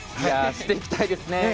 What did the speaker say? していきたいですね。